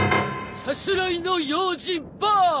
さすらいの用心ボー！